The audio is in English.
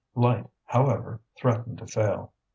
Light, however, threatened to fail.